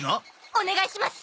お願いします！